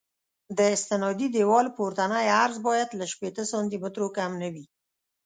د استنادي دیوال پورتنی عرض باید له شپېته سانتي مترو کم نه وي